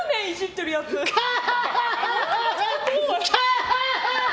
ハハハハ！